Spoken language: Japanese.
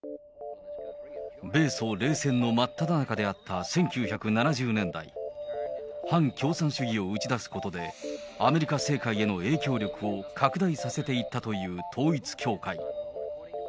米ソ冷戦の真っただ中であった１９７０年代、反共産主義を打ち出すことで、アメリカ政界への影響力を拡大させていったという統一教会。